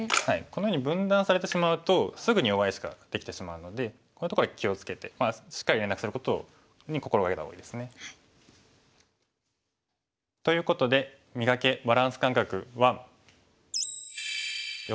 このように分断されてしまうとすぐに弱い石ができてしまうのでこういうところは気を付けてしっかり連絡することに心掛けた方がいいですね。ということで「磨け！バランス感覚１」。